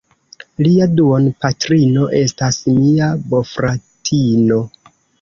Lia duonpatrino estas mia bofratino.